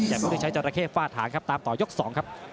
ยังไม่ได้ใช้เจ้าระเข้ฝ้าฐานครับตามต่อยกสองครับ